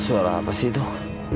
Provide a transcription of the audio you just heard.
suara apa sih tuh